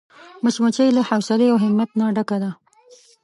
مچمچۍ له حوصلې او همت نه ډکه ده